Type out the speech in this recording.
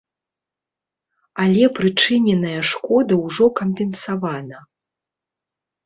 Але прычыненая шкода ўжо кампенсавана.